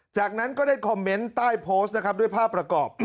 จากนั้นก็ได้คอมเมนต์ใต้โพสต์นะครับด้วยภาพประกอบ